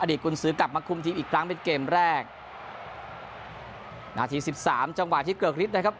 กุญสือกลับมาคุมทีมอีกครั้งเป็นเกมแรกนาทีสิบสามจังหวะที่เกือกฤทธินะครับ